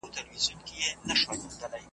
اوښ به ولي په سرو سترګو نه ژړیږي .